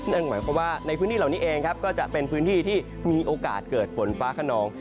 หมายความว่าในพื้นที่เหล่านี้เองครับก็จะเป็นพื้นที่ที่มีโอกาสเกิดฝนฟ้าขนอง